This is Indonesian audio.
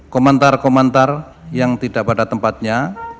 komentar komentar yang tidak pada tempatnya